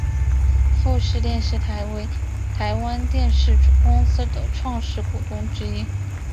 富士电视台为台湾电视公司的创始股东之一。